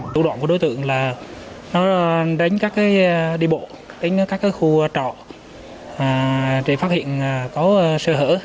tổ đoạn của đối tượng là đánh các đi bộ đánh các khu trọ để phát hiện có sơ hở